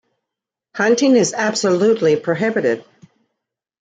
Hunting is absolutely prohibited.